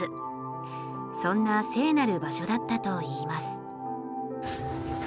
そんな聖なる場所だったといいます。